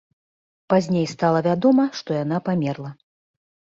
Пазней стала вядома, што яна памерла.